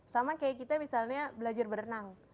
sama kayak kita misalnya belajar berenang